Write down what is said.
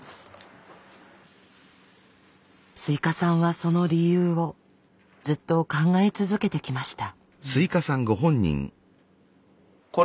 スイカさんはその理由をずっと考え続けてきました。